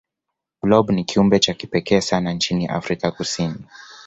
blob ni kiumbe cha kipekee sana nchini afrika kusini